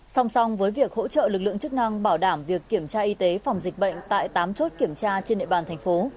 song song với việc hỗ trợ lực lượng chức năng bảo đảm việc kiểm tra y tế phòng dịch bệnh tại tám chốt kiểm tra trên địa bàn thành phố